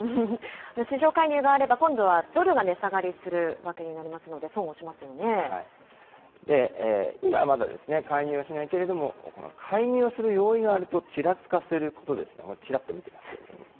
市場介入があれば今度はドルが値下がりするわけになりますの今はまだ介入はしないけれども、この介入をする用意があるとちらつかせることですね、ちらっと見てますけど。